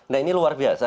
nah ini luar biasa